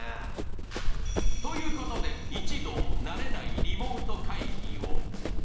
ということで、一同、慣れないリモート会議を。